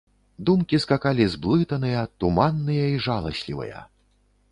Думкі скакалі, зблытаныя, туманныя і жаласлівыя.